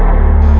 ber apenas mati